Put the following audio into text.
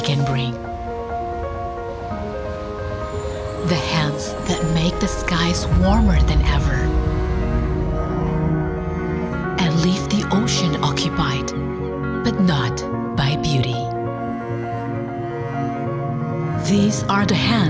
tangan yang membuat lautnya lebih hangat daripada pernah dan membiarkan lautnya terlalu berkeluarga tapi tidak dengan keindahan